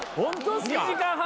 ２時間半